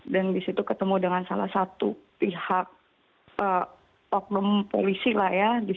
dan disitu ketemu dengan salah satu pihak polisi lah